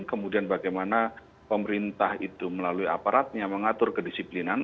kemudian bagaimana pemerintah itu melalui aparatnya mengatur kedisiplinan